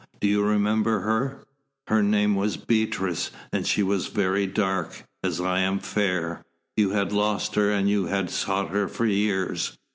Do you remember her? Her name was Beatrice, and she was very dark, as I am fair. You had lost her and you had sought her for years.